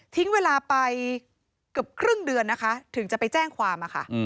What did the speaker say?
เวลาไปเกือบครึ่งเดือนนะคะถึงจะไปแจ้งความค่ะ